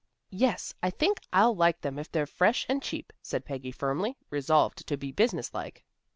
"Yes, I think I'll like them if they're fresh and cheap," said Peggy firmly, resolved to be business like.